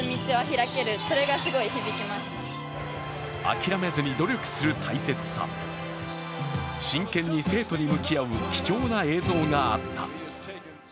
諦めずに努力する大切さ、真剣に生徒に向き合う貴重な映像があった。